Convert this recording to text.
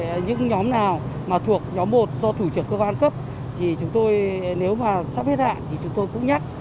những nhóm nào mà thuộc nhóm một do thủ trưởng cơ quan cấp thì chúng tôi nếu mà sắp hết hạn thì chúng tôi cũng nhắc